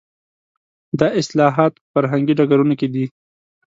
دا اصلاحات په فرهنګي ډګرونو کې دي.